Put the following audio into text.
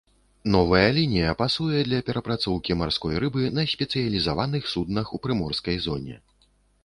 Новая лінія пасуе для перапрацоўкі марской рыбы на спецыялізаваных суднах у прыморскай зоне.